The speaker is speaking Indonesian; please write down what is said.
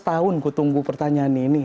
dua belas tahun ku tunggu pertanyaan ini